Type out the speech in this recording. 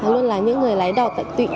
luôn là những người lái đỏ tận tụy